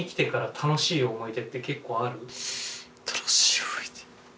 楽しい思い出